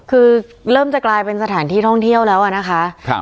คือเริ่มจะกลายเป็นสถานที่ท่องเที่ยวแล้วอะนะคะ